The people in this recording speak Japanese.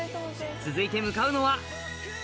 続いて向かうのはおこれ？